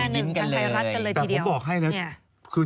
แต่ผมบอกให้เนอะ